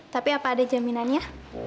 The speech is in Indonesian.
tapi apa ada jaminannya